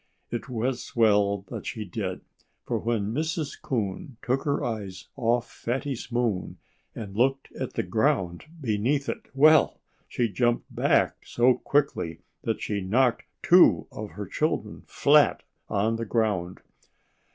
It was well that she did; for when Mrs. Coon took her eyes off Fatty's moon and looked at the ground beneath it well! she jumped back so quickly that she knocked two of her children flat on the ground.